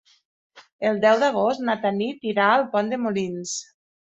El deu d'agost na Tanit irà a Pont de Molins.